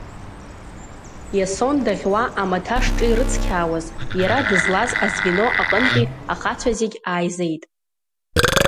Иасон даӷьуа амаҭа шҿирыцқьаауаз иара дызлаз азвено аҟынтәи ахацәа зегьы ааизеит.